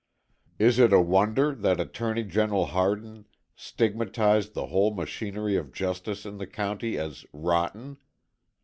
Is it a wonder that Attorney General Hardin stigmatized the whole machinery of justice in the county as "rotten"?